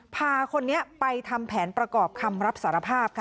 พาคนนี้ไปทำแผนประกอบคำรับสารภาพค่ะ